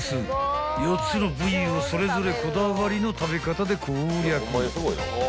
［４つの部位をそれぞれこだわりの食べ方で攻略］